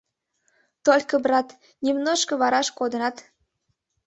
Только, брат, немножко вараш кодынат.